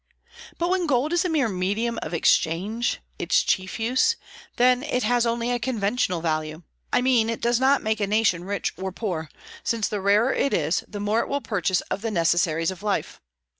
But when gold is a mere medium of exchange, its chief use, then it has only a conventional value; I mean, it does not make a nation rich or poor, since the rarer it is the more it will purchase of the necessaries of life.